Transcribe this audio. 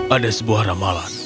ada sebuah ramalan